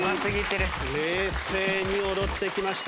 冷静に踊ってきました。